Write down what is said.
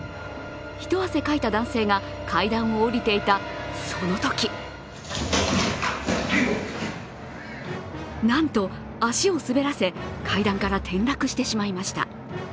一汗かいた男性が階段を降りていたそのときなんと、足を滑らせ階段から転落してしまいました。